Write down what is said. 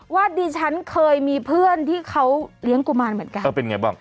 ว่าดิฉันเคยมีเพื่อนที่เขาเลี้ยงกุมารเหมือนกันเออเป็นไงบ้าง